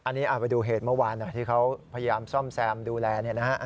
อันนี้อาจไปดูเหตุเมื่อวานที่เขาพยายามซ่อมแซมดูแล